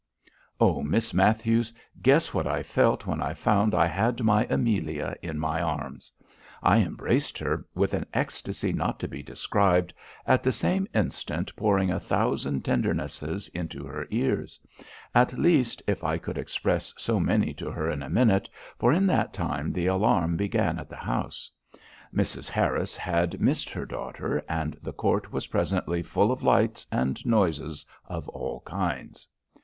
O Miss Matthews! guess what I felt when I found I had my Amelia in my arms. I embraced her with an ecstasy not to be described, at the same instant pouring a thousand tendernesses into her ears; at least, if I could express so many to her in a minute, for in that time the alarm began at the house; Mrs. Harris had mist her daughter, and the court was presently full of lights and noises of all kinds.